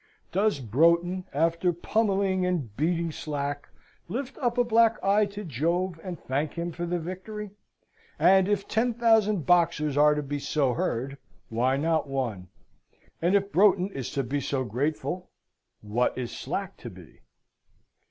Does Broughton, after pummelling and beating Slack, lift up a black eye to Jove and thank him for the victory? And if ten thousand boxers are to be so heard, why not one? And if Broughton is to be grateful, what is Slack to be?